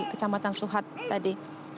kecamatan suhad tadi